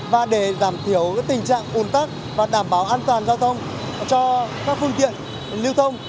và để giảm thiểu tình trạng ồn tắc và đảm bảo an toàn giao thông cho các phương tiện lưu thông